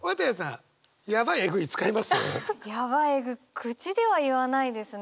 口では言わないですね。